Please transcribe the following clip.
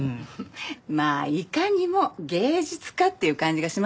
まあいかにも芸術家っていう感じがしますけどね。